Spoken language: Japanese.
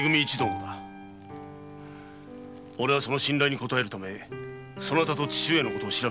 おれはその信頼に応えるためそなたと父上のことを調べた。